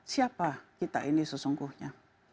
siapa kita ini sesungguhnya